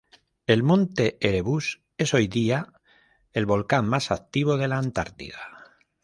El monte Erebus es hoy día el volcán más activo de la Antártida.